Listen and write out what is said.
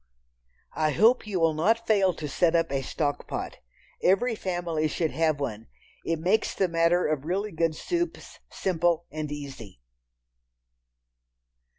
I hope you will not fail to set up a "stock pot." Every family should have one. It makes the matter of really good soups simple and easy.